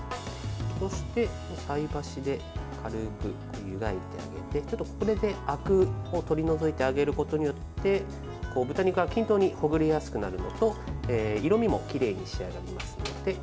そして、菜箸で軽く湯がいてあげてこれで、あくを取り除いてあげることによって豚肉が均等にほぐれやすくなるのと色みもきれいに仕上がりますので。